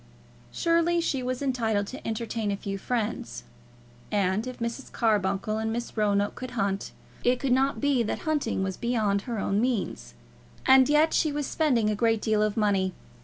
Surely she was entitled to entertain a few friends; and if Mrs. Carbuncle and Miss Roanoke could hunt, it could not be that hunting was beyond her own means. And yet she was spending a great deal of money.